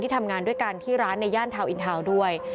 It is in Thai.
ทำงานด้วยกันที่ร้านในย่านทาวนอินทาวน์ด้วย